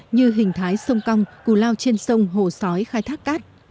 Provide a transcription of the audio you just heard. như hình thái sông cong cù lao trên sông hồ sói khai thác cát